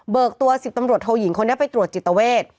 ตัว๑๐ตำรวจโทยิงคนนี้ไปตรวจจิตเวท